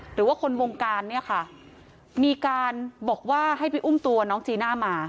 หรือว่าคนวงการเนี่ยค่ะมีการบอกว่าให้ไปอุ้มตัวน้องจีน่ามา